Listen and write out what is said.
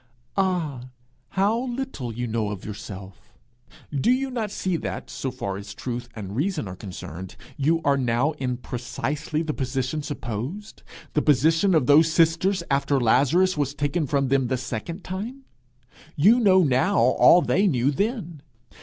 Ah, how little you know yourself! Do you not see that, so far as truth and reason are concerned, you are now in precisely the position supposed the position of those sisters after Lazarus was taken from them the second time? You know now all they knew then.